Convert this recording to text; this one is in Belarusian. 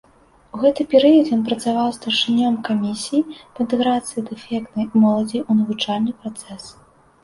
У гэты перыяд ён працаваў старшынём камісіі па інтэграцыі дэфектнай моладзі ў навучальны працэс.